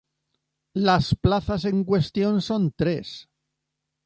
Las plazas en cuestión son tres.